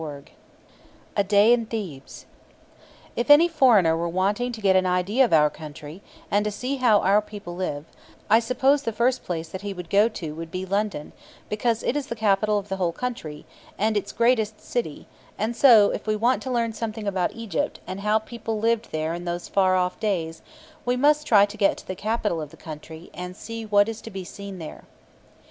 CHAPTER II A DAY IN THEBES If any foreigner were wanting to get an idea of our country, and to see how our people live, I suppose the first place that he would go to would be London, because it is the capital of the whole country, and its greatest city; and so, if we want to learn something about Egypt, and how people lived there in those far off days, we must try to get to the capital of the country, and see what is to be seen there.